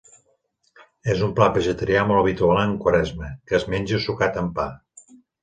És un plat vegetarià molt habitual en Quaresma que es menja sucat amb pa.